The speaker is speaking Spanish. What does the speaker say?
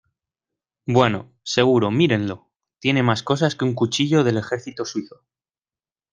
Bueno, seguro, mírenlo. Tiene más cosas que un cuchillo del ejército suizo.